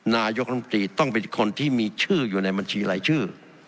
นายกรรมตรีต้องเป็นคนที่มีชื่ออยู่ในบัญชีรายชื่อ